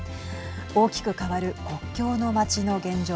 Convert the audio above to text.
大きく変わる国境の街の現状。